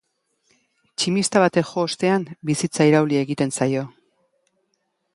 Tximista batek jo ostean, bizitza irauli egiten zaio.